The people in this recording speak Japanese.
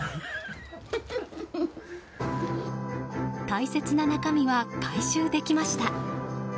大切な中身は回収できました。